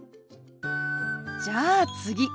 じゃあ次。